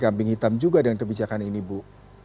kambing hitam juga dengan kebijakan ini bu